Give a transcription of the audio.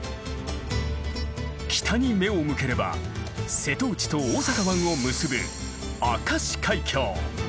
北に目を向ければ瀬戸内と大阪湾を結ぶ明石海峡。